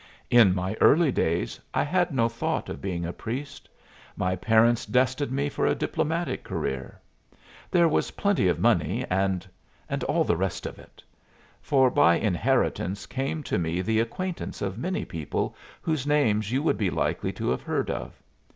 In my early days I had no thought of being a priest. My parents destined me for a diplomatic career. There was plenty of money and and all the rest of it; for by inheritance came to me the acquaintance of many people whose names you would be likely to have heard of.